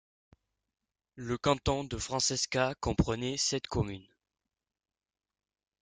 Le canton de Francescas comprenait sept communes.